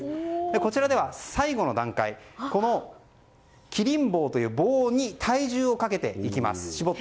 こちらでは最後の段階キリン棒という棒に体重をかけていきます。